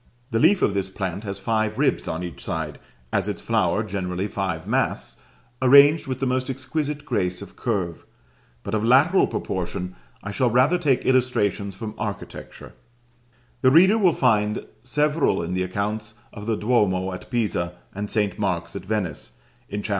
The leaf of this plant has five ribs on each side, as its flower generally five masts, arranged with the most exquisite grace of curve; but of lateral proportion I shall rather take illustrations from architecture: the reader will find several in the accounts of the Duomo at Pisa and St. Mark's at Venice, in Chap.